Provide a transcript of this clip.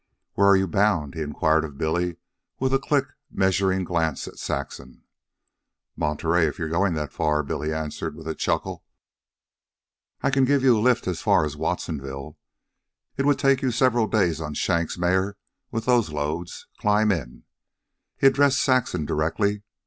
"Where are you bound?" he inquired of Billy, with a quick, measuring glance at Saxon. "Monterey if you're goin' that far," Billy answered with a chuckle. "I can give you a lift as far as Watsonville. It would take you several days on shank's mare with those loads. Climb in." He addressed Saxon directly.